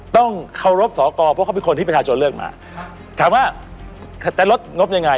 ต้องเคารพสอกรเพราะเขาเป็นคนที่ประชาชนเลือกมาถามว่าจะลดงบยังไง